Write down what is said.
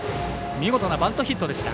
見事なバントヒットでした。